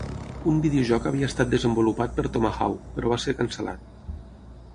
Un videojoc havia estat desenvolupat per Tomahawk, però va ser cancel·lat.